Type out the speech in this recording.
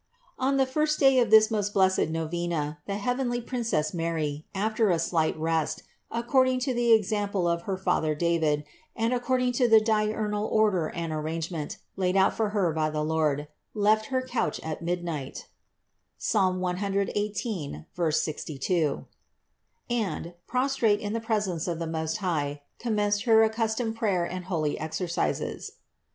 5. On the first day of this most blessed novena the heavenly Princess Mary, after a slight rest, according to the example of her father David and according to the 26 CITY OF GOD diurnal order and arrangement laid out for Her by the Lord, left her couch at midnight (Psalm 118, 62), and, prostrate in the presence of the Most High, commenced her accustomed prayer and holy exercises.